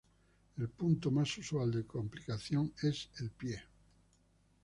El punto más usual de complicación es el pie.